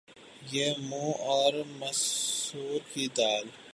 یہ منھ اور مسور کی دال